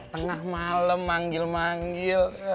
tengah malem manggil manggil